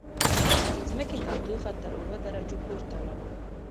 د ځمکې تودوخه تر اووه درجو پورته لاړه.